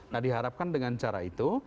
nah diharapkan dengan cara itu